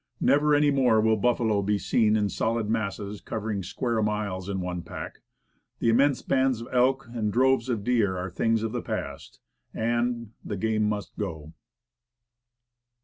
Never any more will buffalo be seen in solid masses cov ering square miles in one pack. The immense bands of elk and droves of deer are things of the past, and " The game must go."